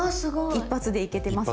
一発でいけてますね。